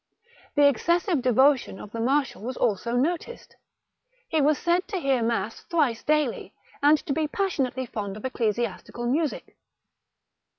The excessive devotion of the marshal was also noticed; he was said to hear mass thrice daily, and to be passionately fond of ecclesiastical music.